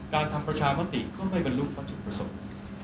การทำประชามติกก็ไม่เป็นรุ่นประชุมประสงค์